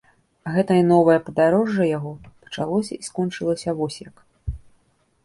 Гэтае новае падарожжа яго пачалося і скончылася вось як.